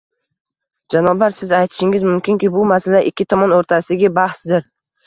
Janoblar, siz aytishingiz mumkinki, bu masala ikki tomon o'rtasidagi bahsdir